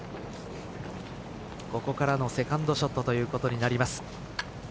ここからのセカンドショットということになります。